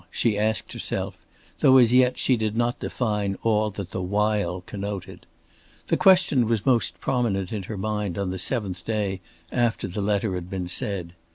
she asked herself: though as yet she did not define all that the "while" connoted. The question was most prominent in her mind on the seventh day after the letter had been sent.